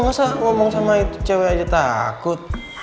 nggak usah ngomong sama itu cewek aja takut